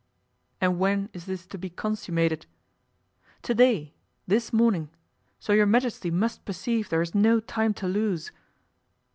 "And when is this to be consummated?" "To day—this morning; so your majesty must perceive there is no time to lose!"